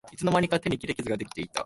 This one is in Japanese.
いつの間にか手に切り傷ができてた